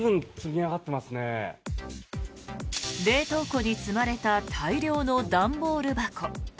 冷凍庫に積まれた大量の段ボール箱。